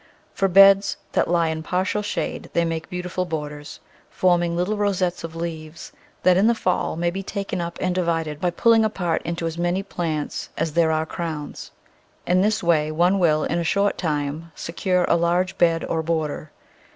For beds that lie in partial shade they make beautiful borders, forming little rosettes of leaves that in the fall may be taken up and divided by pulling apart into as many plants are there are crowns; in this way one will, in a short time, secure a large bed or border.